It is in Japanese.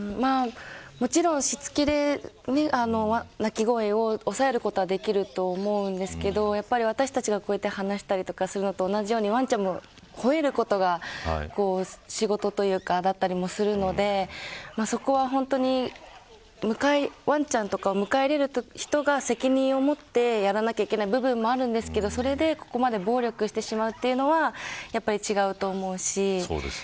もちろん、しつけで鳴き声を抑えることはできると思うんですけれどもやはり私たちが話したりとかするのと同じようにワンちゃんもほえることが仕事というかだったりもするのでそこは本当にワンちゃんを迎えいれる人が責任をもってやらなきゃいけない部分もあるんですけどそれで、ここまで暴力してしまうというのはやっぱり違うと思うし。